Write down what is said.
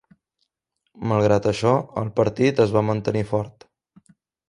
Malgrat això, el partit es va mantenir fort.